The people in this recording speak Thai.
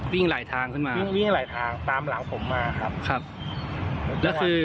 วิ่งหลายทางขึ้นมาวิ่งวิ่งหลายทางตามหลังผมมาครับครับแล้วคือ